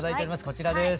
こちらです。